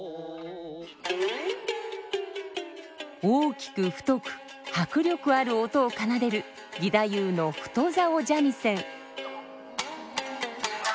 大きく太く迫力ある音を奏でる義太夫の太棹三味線。